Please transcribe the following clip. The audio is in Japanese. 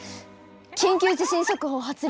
緊急地震速報発令！